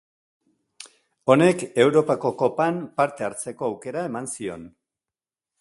Honek Europako Kopan parte hartzeko aukera eman zion.